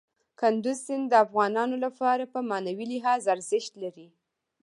کندز سیند د افغانانو لپاره په معنوي لحاظ ارزښت لري.